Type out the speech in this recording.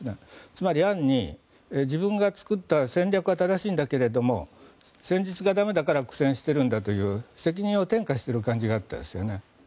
つまり暗に自分が作った戦略は正しいんだけども戦術が駄目だから苦戦しているんだという責任を転嫁している感じがあったんですよね。